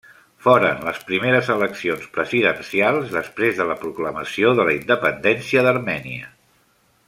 Foren les primeres eleccions presidencials després de la proclamació de la independència d'Armènia.